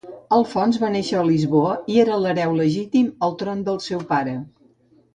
Alfons va néixer a Lisboa i era l'hereu legítim al tron del seu pare.